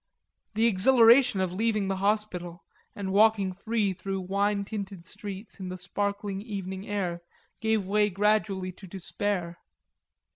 The exhilaration of leaving the hospital and walking free through wine tinted streets in the sparkling evening air gave way gradually to despair.